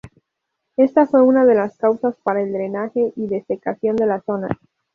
Esta fue una de las causas para el drenaje y desecación de esas zonas.